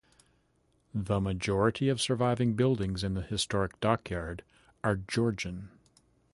The majority of surviving buildings in the Historic Dockyard are Georgian.